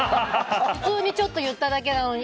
普通にちょっと言っただけなのに。